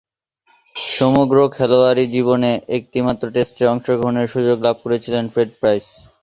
সমগ্র খেলোয়াড়ী জীবনে একটিমাত্র টেস্টে অংশগ্রহণের সুযোগ লাভ করেছিলেন ফ্রেড প্রাইস।